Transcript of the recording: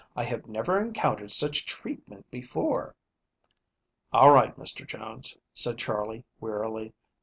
I have never encountered such treatment before." "All right, Mr. Jones," said Charley, wearily.